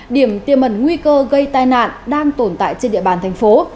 điểm tiềm mẩn nguy cơ gây tai nạn đang tồn tại trên địa bàn tp